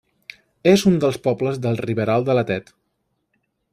És un dels pobles del Riberal de la Tet.